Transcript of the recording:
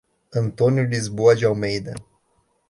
Antônio Lisboa de Almeida